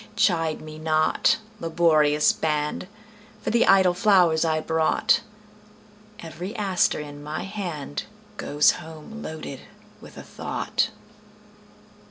Chide me not, laborious band, For the idle flowers I brought; Every aster in my handGoes home loaded with a thought.